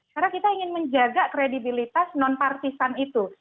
karena kita ingin menjaga kredibilitas non partisan itu